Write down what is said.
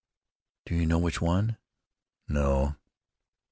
"Do you know which one?" "No."